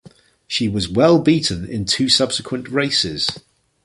She was well beaten in two subsequent races.